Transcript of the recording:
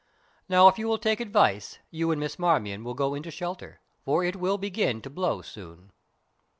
Now, if you will take advice, you and Miss Marmion will go into shelter, for it will begin to blow soon."